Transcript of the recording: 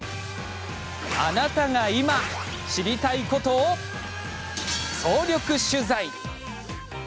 あなたが今、知りたいことを総力取材。